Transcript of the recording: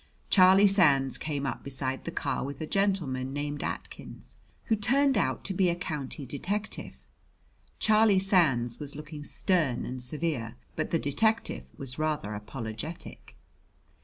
Charlie Sands came up beside the car with a gentleman named Atkins, who turned out to be a county detective. Charlie Sands was looking stern and severe, but the detective was rather apologetic.